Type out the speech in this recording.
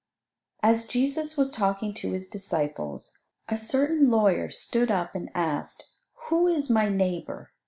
As Jesus was talking to His disciples, a certain lawyer stood up and asked, "Who is my neighbour?"